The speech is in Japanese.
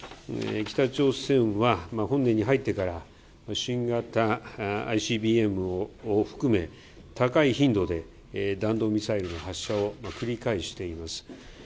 北朝鮮は本年に入ってから、新型ＩＣＢＭを含め、高い頻度で弾道ミサイルの発射を繰り返しています。